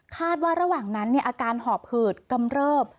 ว่าระหว่างนั้นอาการหอบหืดกำเริบ